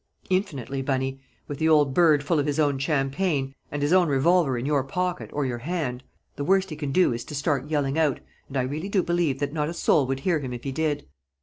"Infinitely, Bunny, with the old bird full of his own champagne, and his own revolver in your pocket or your hand! The worst he can do is to start yelling out, and I really do believe that not a soul would hear him if he did.